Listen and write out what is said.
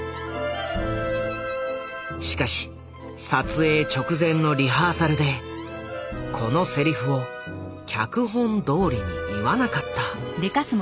しかし撮影直前のリハーサルでこのセリフを脚本どおりに言わなかった。